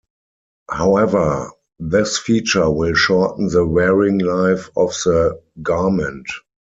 However, this feature will shorten the wearing life of the garment.